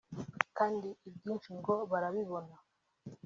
kandi ibyinshi ngo barabibona